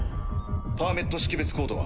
パーメット識別コードは？